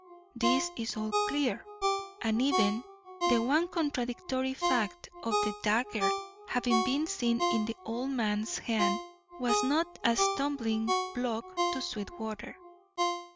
This is all clear, and even the one contradictory fact of the dagger having been seen in the old man's hand was not a stumbling block to Sweetwater.